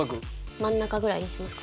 真ん中ぐらいにしますか？